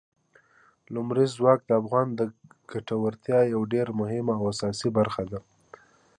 لمریز ځواک د افغانانو د ګټورتیا یوه ډېره مهمه او اساسي برخه ده.